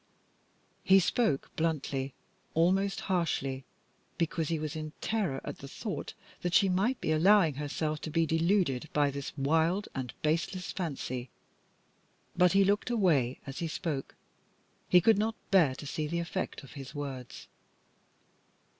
He spoke bluntly, almost harshly, because he was in terror at the thought that she might be allowing herself to be deluded by this wild and baseless fancy, but he looked away as he spoke. He could not bear to see the effect of his words.